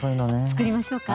つくりましょうか？